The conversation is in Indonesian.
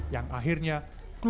yang akhirnya menanggung